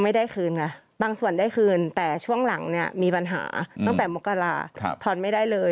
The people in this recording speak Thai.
แต่พี่คุยกันเมื่อสักครู่ไหนนะคะท่านผู้ชมครับพี่บีเนี้ย